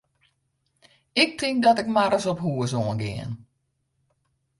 Ik tink dat ik mar ris op hús oan gean.